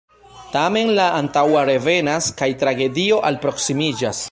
Tamen la antaŭa revenas kaj tragedio alproksimiĝas.